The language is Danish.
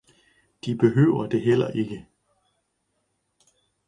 de behøvede det heller ikke.